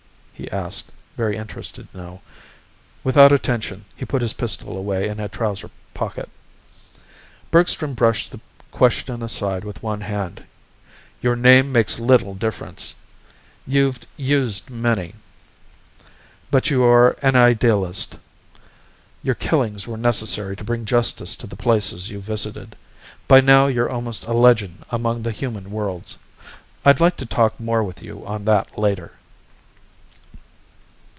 he asked, very interested now. Without attention he put his pistol away in a trouser pocket. Bergstrom brushed the question aside with one hand. "Your name makes little difference. You've used many. But you are an idealist. Your killings were necessary to bring justice to the places you visited. By now you're almost a legend among the human worlds. I'd like to talk more with you on that later."